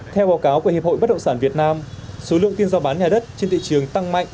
theo báo cáo của hiệp hội bất động sản việt nam số lượng phiên giao bán nhà đất trên thị trường tăng mạnh